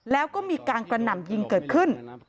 แล้วก็มีการกระหน่ำยิงเกิดขึ้น